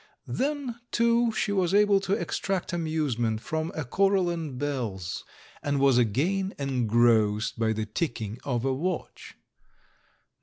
Then, too, she was able to extract amusement from a coral and bells, and was again engrossed by the ticking of a watch.